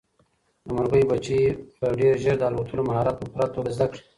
د مرغۍ بچي به ډېر ژر د الوتلو مهارت په پوره توګه زده کړي.